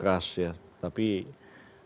kehidupan yang rasanya seperti tempatnya